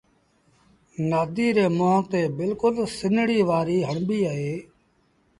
نآديٚ ري مݩهݩ تي بلڪُل سنڙيٚ وآريٚ هڻبيٚ اهي۔